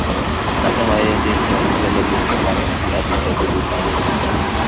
Anasema yeye ndie msimamizi halali wanchi hadi uchaguzi ufanyike